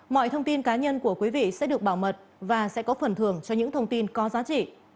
mọi thông tin cá nhân của quý vị sẽ được bảo mật và sẽ có phần thưởng cho những thông tin có giá trị